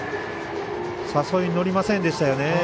誘いに乗りませんでしたね。